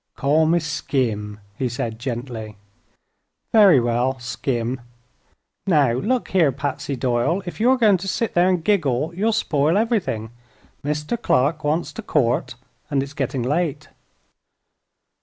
"Call me Skim," he said, gently. "Very well, Skim, Now look here, Patsy Doyle, if you're going to sit there and giggle you'll spoil everything. Mr. Clark wants to court, and it's getting late."